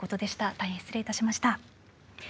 大変失礼いたしました。